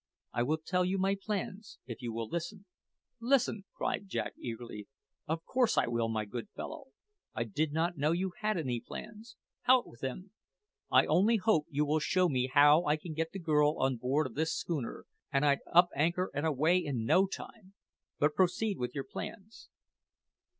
I will tell you my plans if you will listen." "Listen!" cried Jack eagerly. "Of course I will, my good fellow! I did not know you had any plans. Out with them! I only hope you will show me how I can get the girl on board of this schooner, and I'd up anchor and away in no time. But proceed with your plans."